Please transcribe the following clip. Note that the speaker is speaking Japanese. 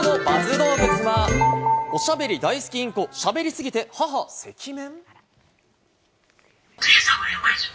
どうぶつは、おしゃべり大好きインコ、しゃべりすぎて母赤面！？